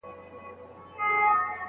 دوی وويل چي سياست له کلتور سره تړلی دی.